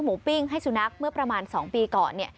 ปิ้งให้สุนัขเมื่อประมาณ๒ปีก่อน